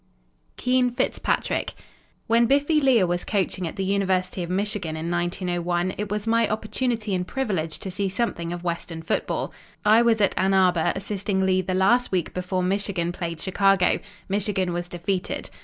Keene Fitzpatrick When Biffy Lea was coaching at the University of Michigan in 1901, it was my opportunity and privilege to see something of Western football. I was at Ann Arbor assisting Lea the last week before Michigan played Chicago. Michigan was defeated.